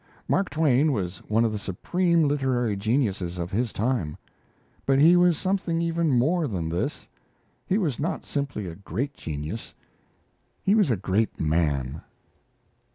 Mark Twain was one of the supreme literary geniuses of his time. But he was something even more than this. He was not simply a great genius: he was a great man.